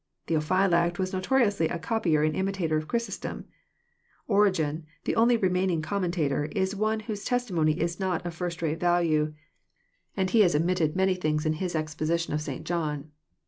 — Theophylact was notoriously a copyer and imitator of Chrysostom. — Origen, the only remaining commentator, is one whose testimony is not of first rate value, and he has omitted many things in his ex JOHN, OHAF. Yin. (>7 position of St. John.